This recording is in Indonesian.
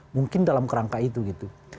mungkin dalam kerangka itu gitu